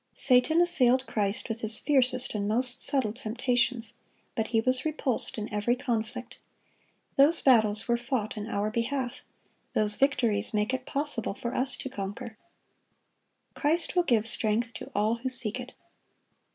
Satan assailed Christ with his fiercest and most subtle temptations; but he was repulsed in every conflict. Those battles were fought in our behalf; those victories make it possible for us to conquer. Christ will give strength to all who seek it.